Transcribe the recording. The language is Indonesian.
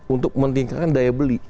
untuk meningkatkan daya beli